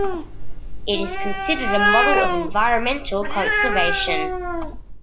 It is considered a model of environmental conservation.